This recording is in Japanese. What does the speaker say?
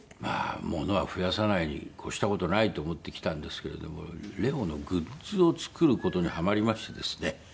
物は増やさないに越した事ないと思ってきたんですけれどもレオのグッズを作る事にハマりましてですね。